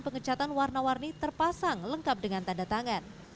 pengecatan warna warni terpasang lengkap dengan tanda tangan